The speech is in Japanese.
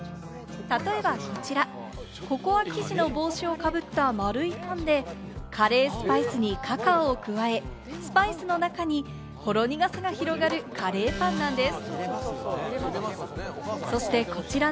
例えばこちら、ココア生地の帽子をかぶった丸いパンで、カレースパイスにカカオを加え、スパイスの中にほろ苦さが広がるカレーパンなんです。